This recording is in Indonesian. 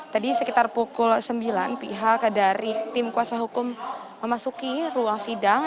tadi sekitar pukul sembilan pihak dari tim kuasa hukum memasuki ruang sidang